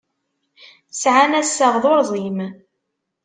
Sɛan assaɣ d urẓim.